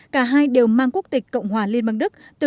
cả hai đều mang quốc tịch cộng hòa liên bang đức